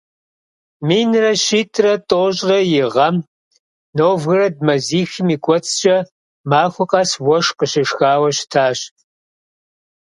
Минрэ щитӏрэ тӏощӏрэ и гъэм Новгород мазихым и кӏуэцӏкӏэ махуэ къэс уэшх къыщешхауэ щытащ.